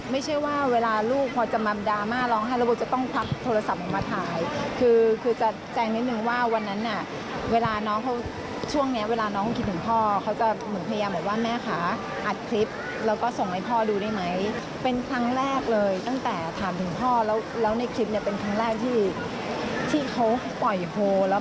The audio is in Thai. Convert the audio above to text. ไม่ใช่ว่าเวลาลูกพอจะมาดราม่าร้องไห้แล้วโบจะต้องควักโทรศัพท์ออกมาถ่ายคือคือจะแจ้งนิดนึงว่าวันนั้นน่ะเวลาน้องเขาช่วงเนี้ยเวลาน้องคิดถึงพ่อเขาจะเหมือนพยายามบอกว่าแม่คะอัดคลิปแล้วก็ส่งให้พ่อดูได้ไหมเป็นครั้งแรกเลยตั้งแต่ถามถึงพ่อแล้วแล้วในคลิปเนี่ยเป็นครั้งแรกที่ที่เขาปล่อยโพลแล้ว